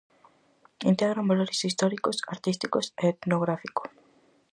Integran valores históricos, artísticos e etnográfico.